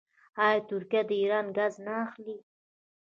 آیا ترکیه د ایران ګاز نه اخلي؟